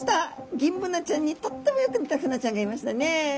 ギンブナちゃんにとってもよく似たフナちゃんがいましたね。